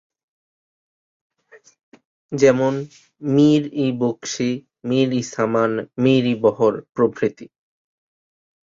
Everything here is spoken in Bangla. যেমনঃ মীর-ই-বখশি, মীর-ই-সামান, মীর-ই-বহর প্রভৃতি।